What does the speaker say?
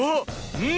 うん！